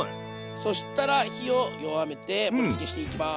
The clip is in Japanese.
そしたら火を弱めて盛りつけしていきます。